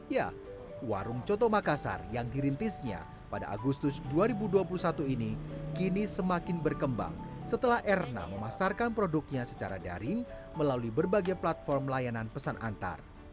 ya warung coto makassar yang dirintisnya pada agustus dua ribu dua puluh satu ini kini semakin berkembang setelah erna memasarkan produknya secara daring melalui berbagai platform layanan pesan antar